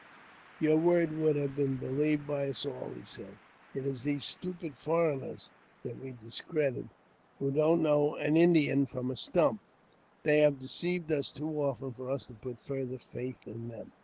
"Your word would have been believed by us all," he said; "it is these stupid foreigners that we discredit, I I JAMES P. BECKWOUBTE. 347 ^ho do not know an Indian from a stump ; they have deceived us too often for us to put further faith in them."